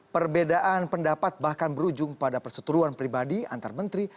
perbedaan pendapat bahkan berujung pada perseturuan pribadi antar menteri